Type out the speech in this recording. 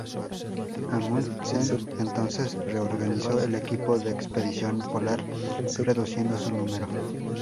Amundsen, entonces, reorganizó el equipo de expedición polar reduciendo su número.